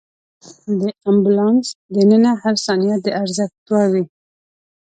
د امبولانس دننه هره ثانیه د ارزښت وړ وي.